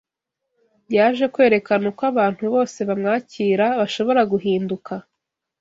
Yaje kwerekana uko abantu bose bamwakira bashobora guhinduka